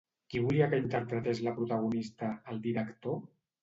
Qui volia que interpretés la protagonista, el director?